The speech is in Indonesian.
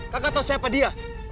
kakak tau siapa dia